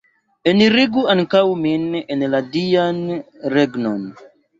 Enirigu ankaŭ min en la Dian regnon!